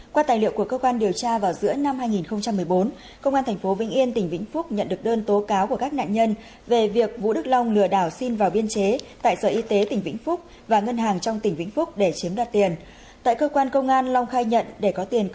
qua tài liệu của cơ quan điều tra vào giữa năm hai nghìn một mươi bốn công an tp vĩnh yên tỉnh vĩnh phúc nhận được đơn tố cáo của các nạn nhân về việc vũ đức long lừa đảo xin vào biên chế tại sở y tế tỉnh vĩnh phúc và ngân hàng trong tỉnh vĩnh phúc để chiếm đoạt tiền